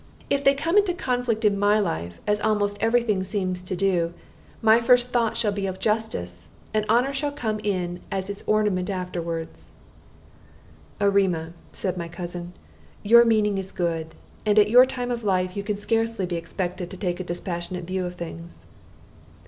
If they come into conflict in my life, as almost every thing seems to do, my first thought shall be of justice; and honor shall come in as its ornament afterward." "Erema," said my cousin, "your meaning is good, and at your time of life you can scarcely be expected to take a dispassionate view of things."